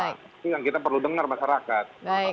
itu yang kita perlu dengar masyarakat